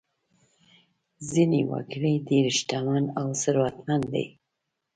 ځینې وګړي ډېر شتمن او ثروتمند دي.